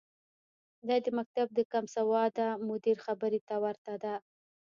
دا د مکتب د کمسواده مدیر خبرې ته ورته ده.